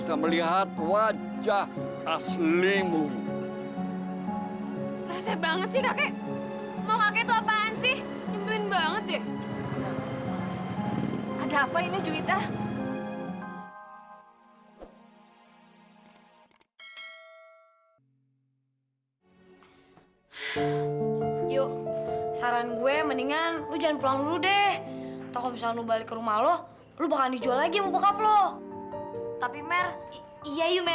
sampai jumpa di video selanjutnya